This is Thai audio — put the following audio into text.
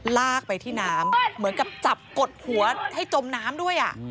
ลากไปที่น้ำเหมือนกับจับกดหัวให้จมน้ำด้วย